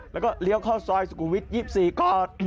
แล้วก็เลี้ยวข้อซอยสุขุมวิทย์ยิบสี่ก่อน